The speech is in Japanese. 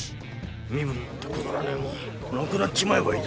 身分なんてくだらねえもんなくなっちまえばいいだ。